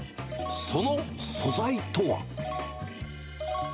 その素材とは？